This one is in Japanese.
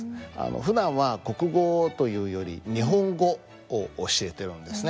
ふだんは国語というより日本語を教えてるんですね。